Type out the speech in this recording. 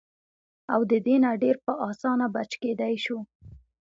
او د دې نه ډېر پۀ اسانه بچ کېدے شو -